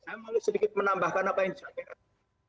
saya mau sedikit menambahkan apa yang saya inginkan